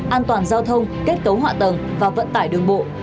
an toàn giao thông kết cấu hạ tầng và vận tải đường bộ